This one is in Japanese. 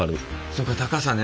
そうか高さね。